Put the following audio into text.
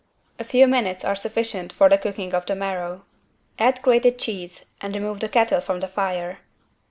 A few minutes are sufficient for the cooking of the marrow. Add grated cheese and remove the kettle from the fire.